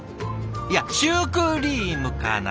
いやシュークリームかな？